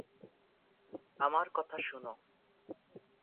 আমার কথা শোনো।